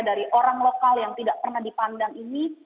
dari orang lokal yang tidak pernah dipandang ini